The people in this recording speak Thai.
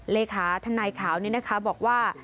เลขาทนายขาวนี่นะคะบอกว่า